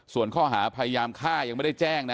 ส่วนข้อหาพยายามฆ่ายังไม่ได้แจ้งนะ